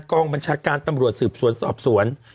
กองบัญชาการตำรวจสืบสวนสอบสวน